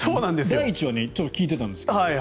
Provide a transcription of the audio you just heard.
第１はちょっと聞いていたんですけど。